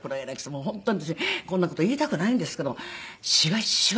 もう本当に私こんな事言いたくないんですけどもシワッシワ。